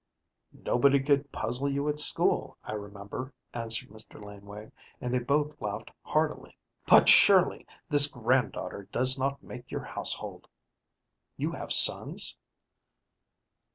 "Nobody could puzzle you at school, I remember," answered Mr. Laneway, and they both laughed heartily. "But surely this granddaughter does not make your household? You have sons?"